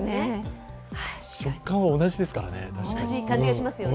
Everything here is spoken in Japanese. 食感は同じですからね。